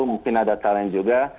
mungkin ada talent juga